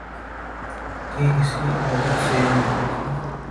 کی اسی عادت سے نفرت ہے